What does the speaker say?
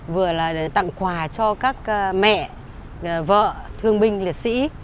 vừa là tặng quà cho các mẹ vợ thương binh liệt sĩ